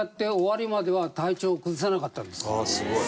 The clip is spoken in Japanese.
あっすごい！